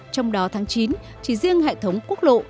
trong đó tháng chín chỉ riêng hệ thống quốc lộ